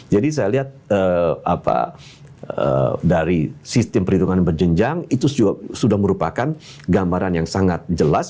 jadi saya lihat dari sistem perhitungan yang berjenjang itu sudah merupakan gambaran yang sangat jelas